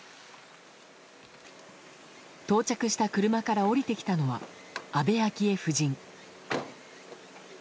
到着した車から降りてきたのは安倍昭恵夫人。